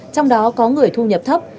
trong đó có người thu nhập thấp